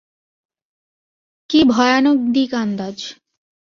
কী ভয়ানক দিক আন্দাজ।